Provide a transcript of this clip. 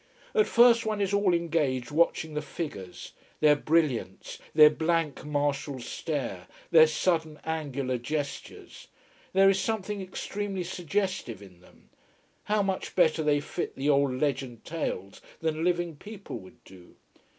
At first one is all engaged watching the figures: their brilliance, their blank, martial stare, their sudden, angular, gestures. There is something extremely suggestive in them. How much better they fit the old legend tales than living people would do.